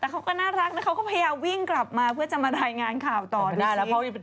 ก็น่ารักและเภยวิ่งกลับมาเพื่อจะมารายงานเข่าต่อดูสิ